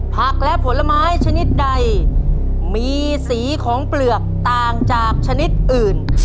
ผลและผลไม้ชนิดใดมีสีของเปลือกต่างจากชนิดอื่น